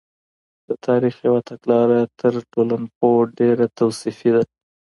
د تاریخ پوه تګلاره تر ټولنپوه ډېره توصیفي ده.